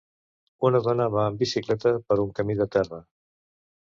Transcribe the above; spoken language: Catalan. Una dona va en bicicleta per un camí de terra.